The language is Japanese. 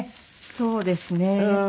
そうですね。